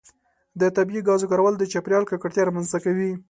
د طبیعي ګازو کارول د چاپیریال ککړتیا رامنځته کوي.